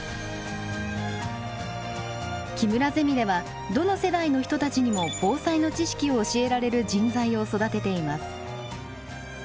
木村ゼミではどの世代の人たちにも防災の知識を教えられる人材を育てています。